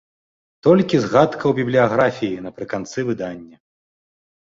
Толькі згадка ў бібліяграфіі напрыканцы выдання.